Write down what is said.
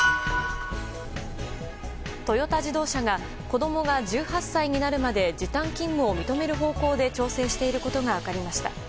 トヨタ自動車が子供が１８歳になるまで時短勤務を認める方向で調整していることが分かりました。